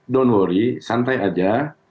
don't worry santai saja